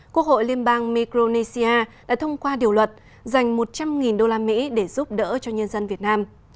quốc hội liên bang micronesia đã thông qua điều luật dành một trăm linh usd để giúp đỡ cho nhân dân việt nam